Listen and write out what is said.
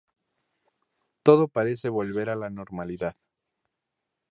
Todo parece volver a la normalidad.